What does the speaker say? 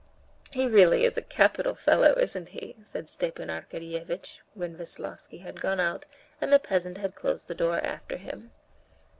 "He really is a capital fellow, isn't he?" said Stepan Arkadyevitch, when Veslovsky had gone out and the peasant had closed the door after him.